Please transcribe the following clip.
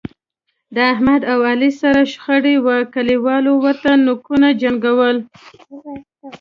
د احمد او علي سره شخړه وه، کلیوالو ورته نوکونو جنګول.